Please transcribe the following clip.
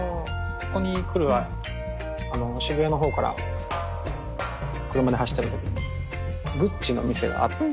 ここに来る渋谷のほうから車で走ってるときにグッチの店があって。